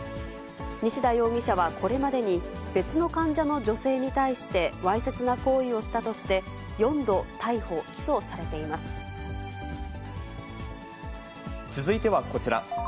西田容疑者はこれまでに、別の患者の女性に対してわいせつな行為をしたとして、続いてはこちら。